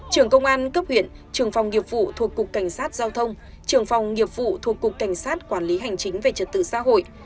trưởng công an cấp huyện trường phòng nghiệp vụ thuộc cục cảnh sát giao thông trường phòng nghiệp vụ thuộc cục cảnh sát quản lý hành chính về trật tự xã hội